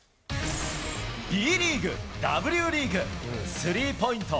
Ｂリーグ、Ｗリーグ、スリーポイント